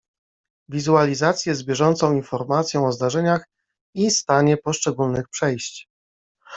Wizualizacje z bieżącą informacją o zdarzeniach i stanie poszczególnych przejść.